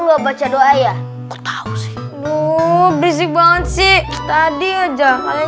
gila ini udah malem